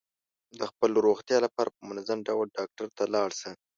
د خپل روغتیا لپاره په منظم ډول ډاکټر ته لاړ شه.